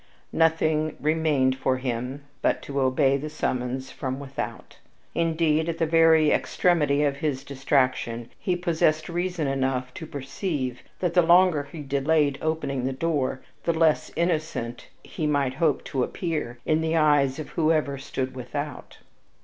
Nothing remained for him but to obey the summons from without. Indeed, in the very extremity of his distraction, he possessed reason enough to perceive that the longer he delayed opening the door the less innocent he might hope to appear in the eyes of whoever stood without.